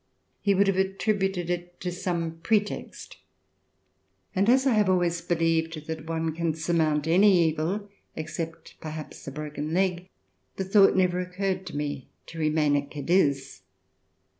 He would have attributed it to some pretext, and as 1 have always believed that one can surmount any evil, except perhaps a broken leg, the thought never occurred to me to remain at Cadiz.